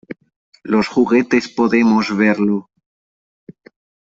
Los juguetes podemos verlo ...